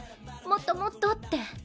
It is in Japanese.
もっともっとって。